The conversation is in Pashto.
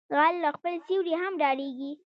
غل له خپل سيوري هم ډاریږي